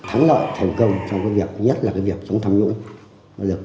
thắng lợi thành công trong cái việc nhất là cái việc chống tham nhũng